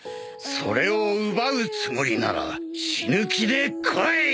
それを奪うつもりなら死ぬ気で来い！